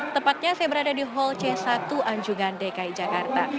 tepatnya saya berada di hall c satu anjungan dki jakarta